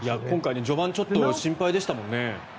今回序盤ちょっと心配でしたもんね。